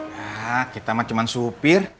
ya kita mah cuman supir